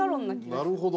なるほど。